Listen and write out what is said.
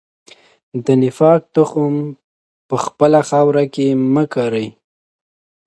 د نفاق تخم په خپله خاوره کې مه کرئ.